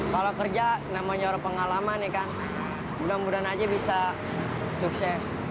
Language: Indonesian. kalau kerja namanya orang pengalaman ya kan mudah mudahan aja bisa sukses